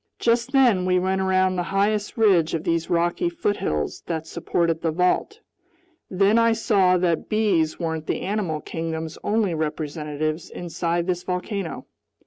Just then we went around the highest ridge of these rocky foothills that supported the vault. Then I saw that bees weren't the animal kingdom's only representatives inside this volcano.